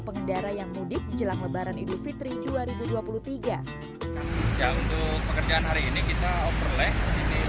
pengendara yang mudik jelang lebaran idul fitri dua ribu dua puluh tiga ya untuk pekerjaan hari ini kita overlap ini